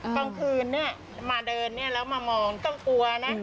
กลางคืนมาเดินแล้วมามองกล้องกลัวนะ